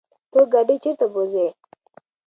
ته ګاډی چرته بوځې؟